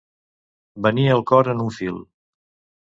Venir el cor en un fil.